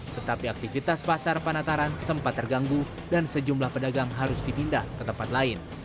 tetapi aktivitas pasar penataran sempat terganggu dan sejumlah pedagang harus dipindah ke tempat lain